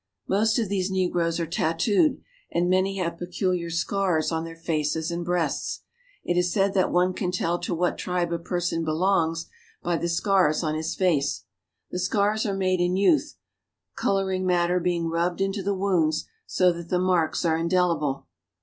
Most of these negroes are tattooed, and many have peculiar scars on their faces and breasts. It is said that one can tell to what tribe a person belongs by the scars THE HOME OF THE NKHRO 195 on his face. The scars are made in youth, color ing matter being rubbed into the wounds, so that the marks are indeHble.